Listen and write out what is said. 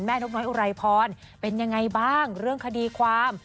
นกน้อยอุไรพรเป็นยังไงบ้างเรื่องคดีความ